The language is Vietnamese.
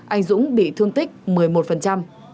anh dũng bị thương tích một mươi một